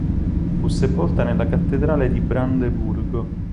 Fu sepolta nella cattedrale di Brandeburgo.